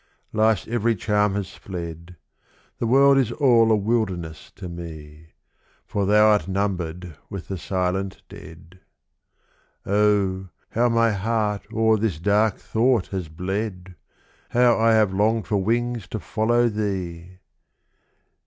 Life's every charm has fled, The world is all a wilderness to me; "For thou art numbered with the silent dead." Oh, how my heart o'er this dark thought has bled! How I have longed for wings to follow thee!